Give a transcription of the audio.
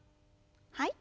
はい。